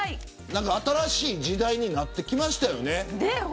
新しい時代になってきましたね。